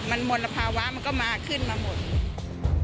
มันมลภาวะมันก็มาขึ้นมาหมด